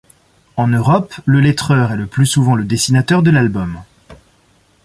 En Europe, le lettreur est le plus souvent le dessinateur de l'album.